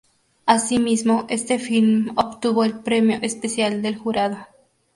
Asimismo, este film obtuvo el Premio especial del jurado.